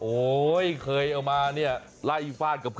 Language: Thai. โอ้ยเคยเอามาเนี่ยไล่ฟาดกับ